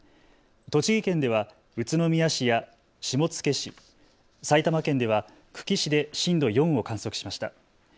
栃木県では宇都宮市や下野市、埼玉県では久喜市で震度４を観測しました。